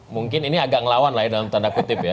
mungkin ini agak ngelawan lah ya dalam tanda kutip ya